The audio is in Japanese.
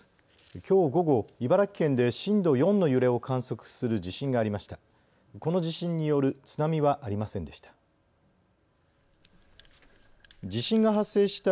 きょう午後、茨城県で震度４の揺れを観測する地震がありました。